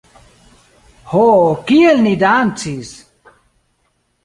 Ho, kiel ni dancis!